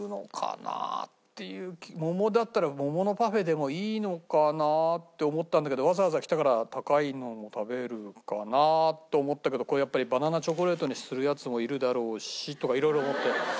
桃だったら桃のパフェでもいいのかな？って思ったんだけどわざわざ来たから高いのも食べるかな？と思ったけどこれやっぱりバナナチョコレートにするヤツもいるだろうしとか色々思って。